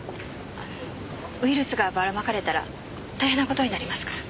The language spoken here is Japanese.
ウイルスがばら撒かれたら大変な事になりますから。